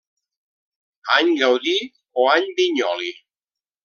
Any Gaudí o Any Vinyoli.